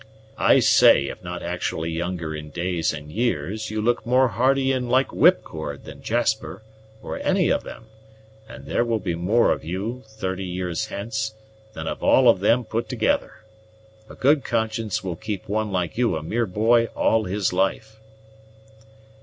"I say if not actually younger in days and years, you look more hardy and like whipcord than Jasper, or any of them; and there will be more of you, thirty years hence, than of all of them put together. A good conscience will keep one like you a mere boy all his life."